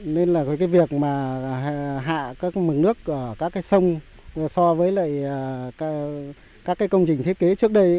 nên việc hạ mực nước các sông so với các công trình thiết kế trước đây